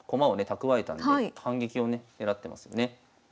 蓄えたので反撃をね狙ってますよね。